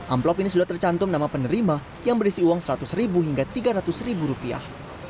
amplop ini sudah tercantum nama penerima yang berisi uang seratus ribu hingga tiga ratus ribu rupiah